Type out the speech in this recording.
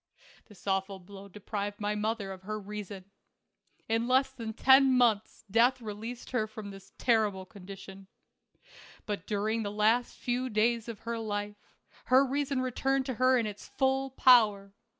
This awful blow deprived my mother of her reason. In ' less than ten months death re leased her from this terrible condition. But during the last few days of her life, her reason returned to her in its full power.